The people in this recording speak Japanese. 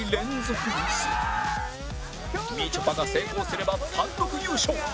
みちょぱが成功すれば単独優勝